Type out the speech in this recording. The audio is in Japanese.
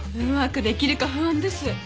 うまくできるか不安です。